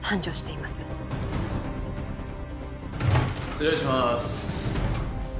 失礼しまーす。